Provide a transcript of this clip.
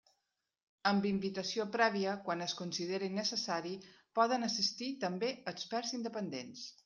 Amb invitació prèvia, quan es considere necessari, poden assistir també experts independents.